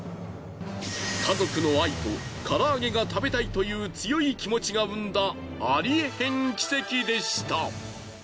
家族の愛と唐揚げが食べたいという強い気持ちが生んだありえへん奇跡でした。